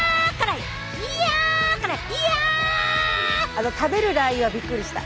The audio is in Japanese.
あの食べるラー油はびっくりした。